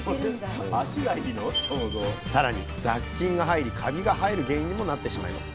さらに雑菌が入りカビが生える原因にもなってしまいます。